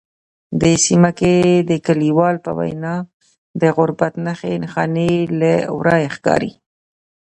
دې سیمه کې د لیکوال په وینا د غربت نښې نښانې له ورایه ښکاري